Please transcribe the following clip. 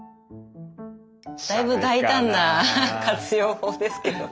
だいぶ大胆な活用法ですけどね。